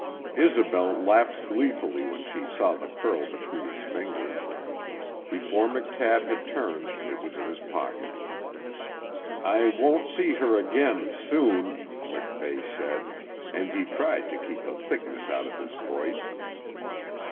Isobel laughed gleefully when she saw the curl between his fingers. Before McTabb had turned it was in his pocket. "I won't see her again soon," MacVeigh said; and he tried to keep a thickness out of his voice.